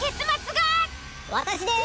・私です。